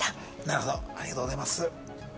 なるほどありがとうございます